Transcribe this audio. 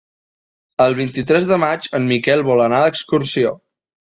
El vint-i-tres de maig en Miquel vol anar d'excursió.